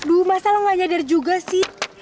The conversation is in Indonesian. duh masa lo nggak nyadar juga sih